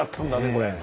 これ。